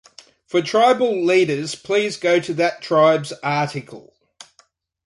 For tribal leaders, please go to that tribe's article.